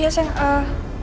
iya seng ee